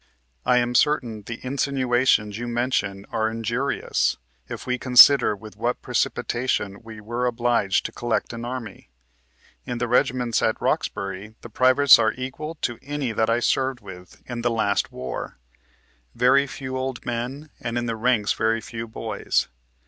I am certain the insinuations you mention are injurious, if we consider with what precipitation we were obliged to collect an army. In the regiments at Roxbury, the privates are equal to any that I served with in the last war; very few old men and in the ranks very few boys.